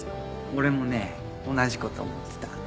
俺もね同じこと思ってた。